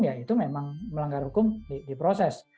ya itu memang melanggar hukum di proses